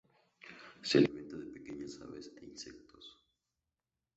Se alimenta de pequeñas aves e insectos.